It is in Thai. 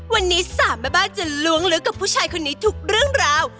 วันนี้สามารถลุ้งลึกกับผู้ชายคนนี้ทุกเรื่องราว